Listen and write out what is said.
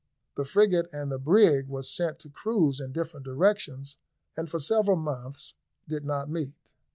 The frigate and the brig were sent to cruise in different directions, and for several months did not meet.